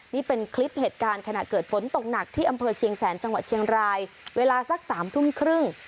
นี่เป็นคลิปเหตุการณ์ขณะเกิดฝนตกหนักที่อำเภอเชียงแสนจังหวัดเชียงรายเวลาสักสามทุ่มครึ่ง